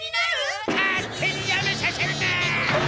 勝手にやめさせるな！